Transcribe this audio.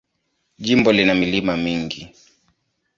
Jimbo lina milima mingi.